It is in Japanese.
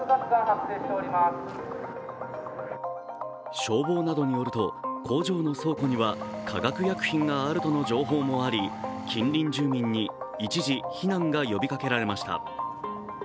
消防などによると、工場の倉庫には化学薬品があるとの情報もあり、近隣住民に一時、避難が呼びかけられました。